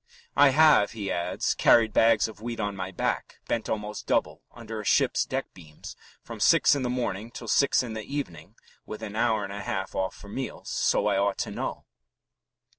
"I have," he adds, "carried bags of wheat on my back, bent almost double under a ship's deck beams, from six in the morning till six in the evening (with an hour and a half off for meals), so I ought to know."